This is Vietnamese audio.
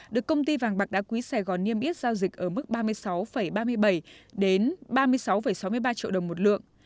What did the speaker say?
được công ty vàng bạc đá quý sài gòn niêm yết giao dịch ở mức ba mươi sáu ba mươi bảy đến ba mươi sáu sáu mươi ba triệu đồng một lượng